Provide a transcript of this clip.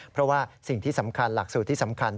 เพราะว่าสิ่งที่สำคัญหลักสูตรที่สำคัญ